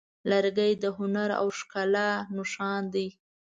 لرګی د هنر او ښکلا نښان دی.